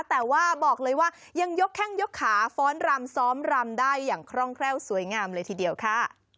แต่ว่าบอกเลยว่ายังยกแข้งยกขาฟ้อนรำซ้อมรำได้อย่างคร่องแคล่วสวยงามเลยทีเดียวค่ะ